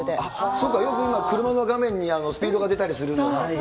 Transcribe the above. そうかよく今、車の画面にスピードが出たりするみたいな。